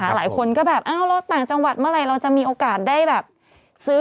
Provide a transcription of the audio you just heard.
หลายคนก็แบบอ้าวเราต่างจังหวัดเมื่อไหร่เราจะมีโอกาสได้แบบซื้อ